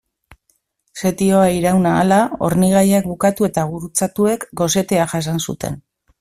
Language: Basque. Setioa iraun ahala, hornigaiak bukatu eta gurutzatuek gosetea jasan zuten.